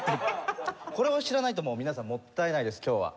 これを知らないともう皆さんもったいないです今日は。